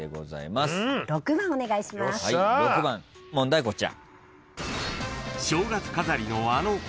６番問題はこちら。